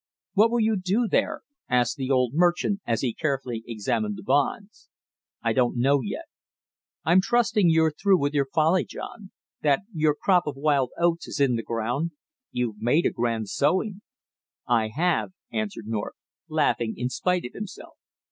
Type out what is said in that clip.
What will you do there?" asked the old merchant as he carefully examined the bonds. "I don't know yet." "I'm trusting you're through with your folly, John; that your crop of wild oats is in the ground. You've made a grand sowing!" "I have," answered North, laughing in spite of himself.